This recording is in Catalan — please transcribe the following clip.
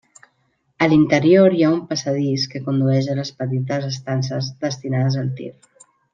A l'interior hi ha un passadís que condueix a les petites estances destinades al tir.